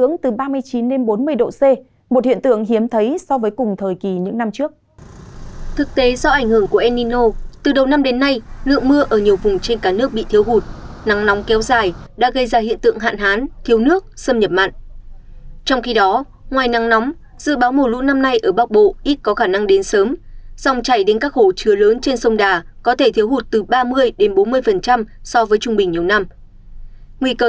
nguy cơ tiếp tục xảy ra nắng nóng hạn hán thiếu nước xâm nhập mặn nhất là ở khu vực trung bộ và nam bộ